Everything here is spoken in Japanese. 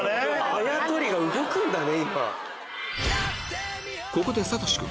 あやとりが動くんだね。